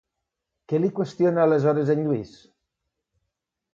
Què li qüestiona, aleshores, en Lluís?